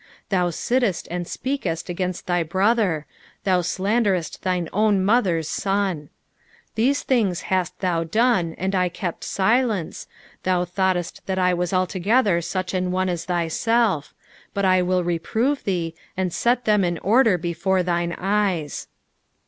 20 Thou sittest and speakest against thy brother ; thou slanderest thine own mother's son. 21 These things hast thou done, and I kept silence; thou thoughtest that I was altogether such an one as thyself : but I will reprove thee, and set them in order before thine eyes.